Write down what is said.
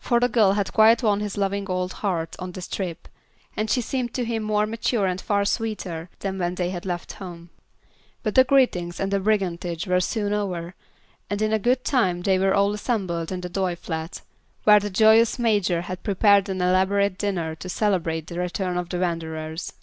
For the girl had quite won his loving old heart on this trip, and she seemed to him more mature and far sweeter than when they had left home. But the greetings and the "brigandage" were soon over, and in good time they were all assembled in the Doyle flat, where the joyous Major had prepared an elaborate dinner to celebrate the return of the wanderers.